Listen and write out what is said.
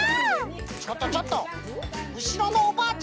ちょっとちょっとうしろのおばあちゃん